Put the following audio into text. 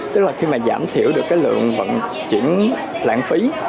tức là khi mà giảm thiểu được cái lượng vận chuyển lãng phí